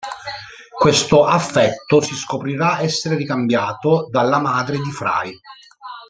Questo affetto si scoprirà essere ricambiato dalla madre di Fry.